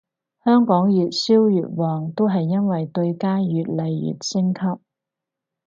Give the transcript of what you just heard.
香港越燒越旺都係因為對家越嚟越升級